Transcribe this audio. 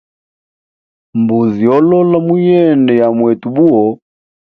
Mbuzi yo lila muyende ya mwetu buwo.